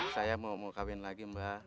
saya mau kawin lagi mbah